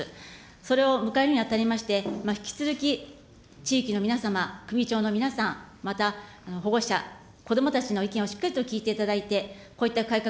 それを迎えるにあたりまして、引き続き、地域の皆様、首長の皆様、また保護者、こどもたちの意見をしっかりと聞いていただいて、こういった改革